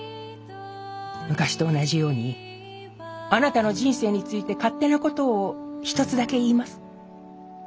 昔と同じようにあなたの人生について勝手なことを一つだけ言います。